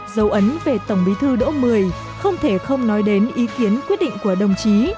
dấu ấn về tổng bí thư đỗ mười không thể không nói đến ý kiến quyết định của đồng chí